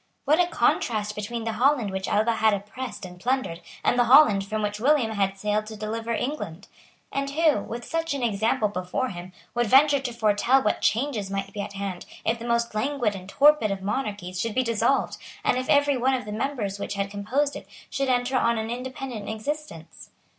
What a contrast between the Holland which Alva had oppressed and plundered, and the Holland from which William had sailed to deliver England! And who, with such an example before him, would venture to foretell what changes might be at hand, if the most languid and torpid of monarchies should be dissolved, and if every one of the members which had composed it should enter on an independent existence?